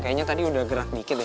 kayaknya tadi udah gerak dikit ya